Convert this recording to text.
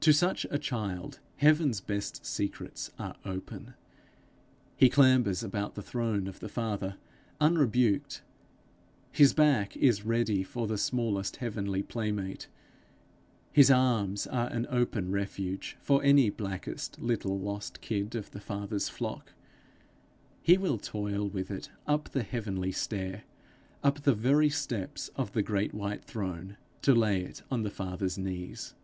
To such a child heaven's best secrets are open. He clambers about the throne of the Father unrebuked; his back is ready for the smallest heavenly playmate; his arms are an open refuge for any blackest little lost kid of the Father's flock; he will toil with it up the heavenly stair, up the very steps of the great white throne, to lay it on the Father's knees.